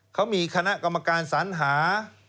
เขามีคณะกรรมการสัญหา